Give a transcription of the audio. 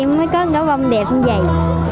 em mới có con gáo bông đẹp như vậy